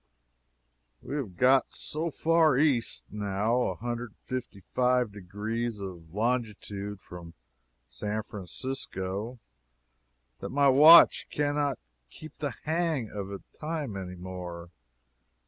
We have got so far east, now a hundred and fifty five degrees of longitude from San Francisco that my watch can not "keep the hang" of the time any more.